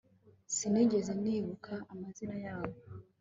sinigeze nibuka amazina yabo